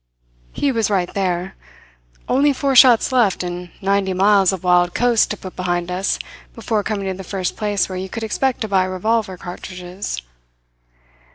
"He was right there. Only four shots left, and ninety miles of wild coast to put behind us before coming to the first place where you could expect to buy revolver cartridges.